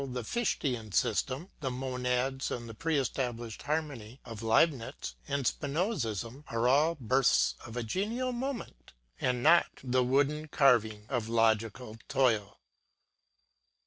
the Fichtéan system) the Monads and the Pre established Harmony of Leibnitz and Spinozism are all births of a genial moment, and not the wooden carving of logical toil.